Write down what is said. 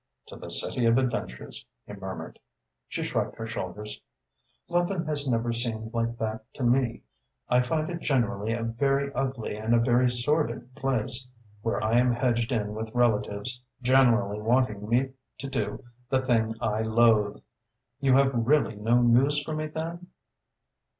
"To the city of adventures," he murmured. She shrugged her shoulders. "London has never seemed like that to me. I find it generally a very ugly and a very sordid place, where I am hedged in with relatives, generally wanting me to do the thing I loathe. You have really no news for me, then?"